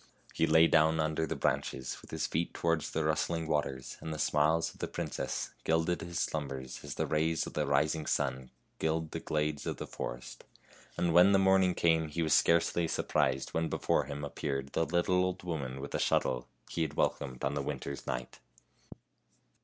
He lay down under the branches, with his feet towards the rustling waters, and the smiles of the princess gilded his slumbers, as the rays of the rising sun gild the glades of the forest ; and when the morning came he was scarcely surprised when before him appeared the little old woman with the shuttle he had welcomed on the win ter's night.